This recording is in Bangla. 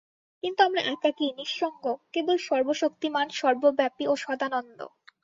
কিন্তু আমরা একাকী, নিঃসঙ্গ, কেবল, সর্বশক্তিমান, সর্বব্যাপী ও সদানন্দ।